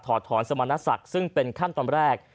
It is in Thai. ถอนสมณศักดิ์ซึ่งเป็นขั้นตอนแรก